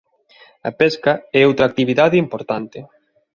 A pesca é outra actividade importante.